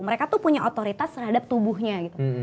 mereka tuh punya otoritas terhadap tubuhnya gitu